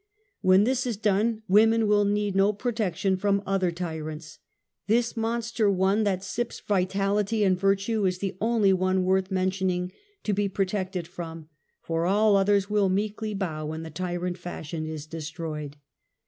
"When this is done women will need no protection, from other tyrants. This monster one that sips vi tality and virtue is the only one worth mention to be protected from, for all others will meekly bow when the tyrant fashion is destroyed.